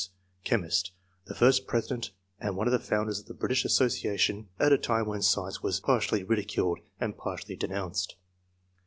S., chemist, the first president and one of the founders of the British Association at a time when science was partly ridiculed and partly denounced.